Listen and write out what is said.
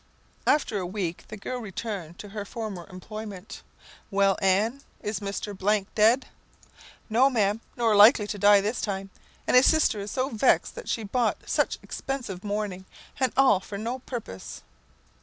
After a week the girl returned to her former employment. "Well, Anne, is Mr. dead?" "No, ma'am, nor likely to die this time; and his sister is so vexed that she bought such expensive mourning, and all for no purpose!"